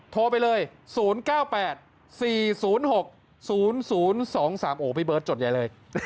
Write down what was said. โทรไปเลย๐๙๘๔๐๖๐๐๒๓โอ้พี่เบิร์ตจดใหญ่เลย